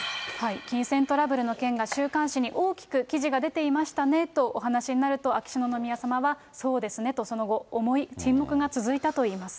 金銭トラブルの件が週刊誌に大きく記事が出ていましたねとお話しになると、秋篠宮さまはそうですねと、その後、重い沈黙が続いたといいます。